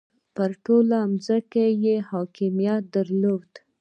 پر ټوله ځمکه یې حاکمیت درلود.